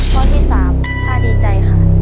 ข้อที่๓ถ้าดีใจค่ะ